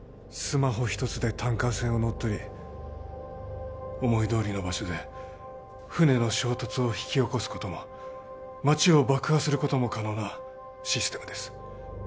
スマホ一つでタンカー船を乗っ取り思いどおりの場所で船の衝突を引き起こすことも街を爆破することも可能なシステムです